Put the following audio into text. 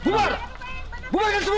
buar buarkan semua